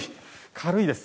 軽いです。